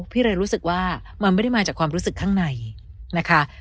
พี่เลยรู้สึกว่ามันไม่ได้มาจากความรู้สึกข้างในนะคะ